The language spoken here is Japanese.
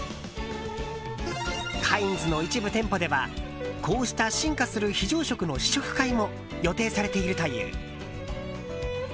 カインズの一部店舗ではこうした進化する非常食の試食会も予定されているという。